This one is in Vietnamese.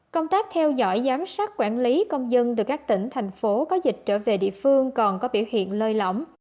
công tác theo dõi giám sát quản lý công dân từ các tỉnh thành phố có dịch trở về địa phương còn có biểu hiện lơi lỏng